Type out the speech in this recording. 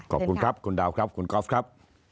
ขอบคุณครับคุณดาวครับคุณกอล์ฟครับ